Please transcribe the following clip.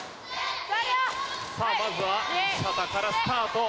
さあまずは西畑からスタート。